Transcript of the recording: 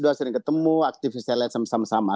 saya ketemu aktivis lsm sama sama